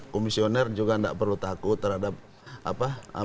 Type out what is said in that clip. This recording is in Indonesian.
komisioner juga tidak perlu takut terhadap apa